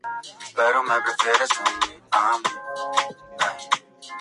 El decorado de las verjas delanteras las diseñó don Sergio Ramírez Fajardo.